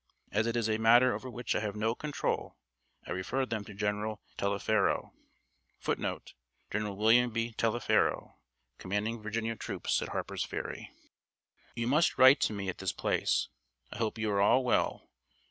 As it is a matter over which I have no control I referred them to General Taliaferro. [Footnote: General William B. Taliaferro, commanding Virginia troops at Harper's Ferry.] "You must write to me at this place. I hope you are all well.